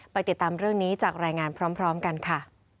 ติดตามเรื่องนี้จากรายงานพร้อมกันค่ะ